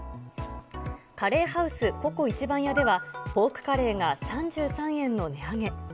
カレーハウスココ壱番屋では、ポークカレーが３３円の値上げ。